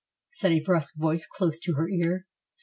said a brusque voice close to her ear.